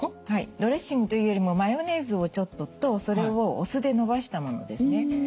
はいドレッシングというよりもマヨネーズをちょっととそれをお酢でのばしたものですね。